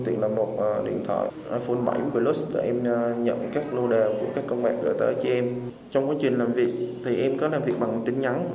trong quá trình làm việc em có làm việc bằng tin nhắn